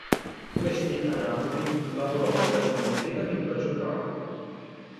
Questi, a Napoli, lavorò presso la bottega di Luca Giordano.